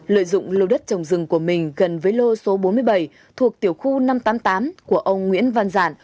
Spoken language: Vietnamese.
lợi dụng lô đất trồng rừng của mình gần với lô số bốn mươi bảy thuộc tiểu khu năm trăm tám mươi tám của ông nguyễn văn giản